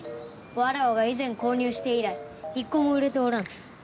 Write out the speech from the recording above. わらわが以前購入して以来１個も売れておらぬ。